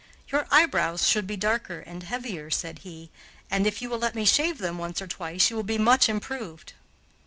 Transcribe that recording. "Your eyebrows should be darker and heavier," said he, "and if you will let me shave them once or twice, you will be much improved."